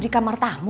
di kamar tamu